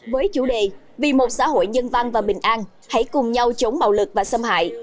với chủ đề vì một xã hội dân văn và bình an hãy cùng nhau chống bạo lực và xâm hại